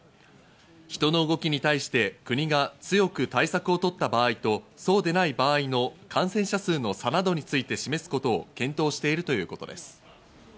人の動きに対して国が強く対策を取った場合とそうでない場合の感染者数の差などについて示すことを検討しているということです。